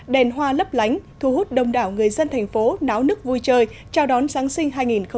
đèn hoa lấp lánh thu hút đông đảo người dân thành phố náo nức vui chơi chào đón giáng sinh hai nghìn một mươi tám